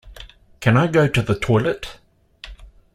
Can I go to the toilet?